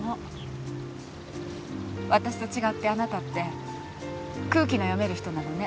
私と違ってあなたって空気の読める人なのね。